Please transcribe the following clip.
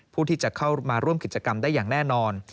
ผู้ที่จะเข้ามาร่วมกิจกรรมได้อย่างแน่นอน